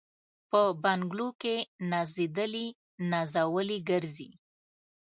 په بنګلو کي نازېدلي نازولي ګرځي